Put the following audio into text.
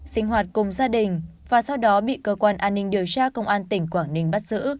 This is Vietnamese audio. sinh hoạt cùng gia đình và sau đó bị cơ quan an ninh điều tra công an tỉnh quảng ninh bắt giữ